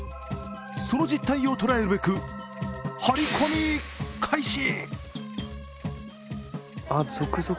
その実態を捉えるべくハリコミ開始。